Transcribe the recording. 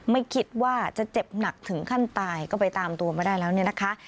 ไม่คิดว่าจะเจ็บหนักถึงขั้นตายก็ไปตามตัวมาได้แล้วเนี่ยนะคะ